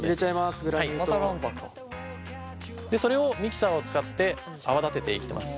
でそれをミキサーを使って泡立てていきます。